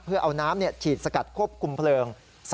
เพื่อเอาน้ำฉีดสกัดควบคุมเพลิง